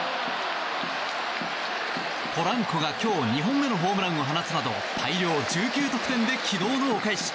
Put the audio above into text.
ポランコが今日２本目のホームランを放つなど大量１９得点で昨日のお返し。